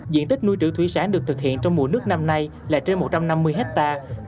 diện tích nuôi trữ thủy sản được thực hiện trong mùa nước năm nay là trên một trăm năm mươi hectare